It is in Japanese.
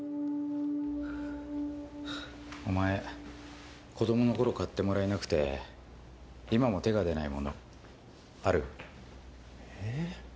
お前子供の頃買ってもらえなくて今も手が出ないものある？え？